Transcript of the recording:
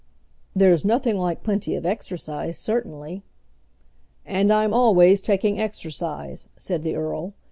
"There's nothing like plenty of exercise, certainly." "And I'm always taking exercise," said the earl.